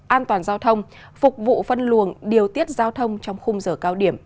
an toàn giao thông phục vụ phân luồng điều tiết giao thông trong khung giờ cao điểm